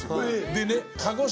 でね。